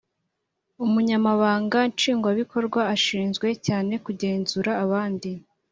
Umunyamabanga Nshingwabikorwa ashinzwe cyane kugenzura abandi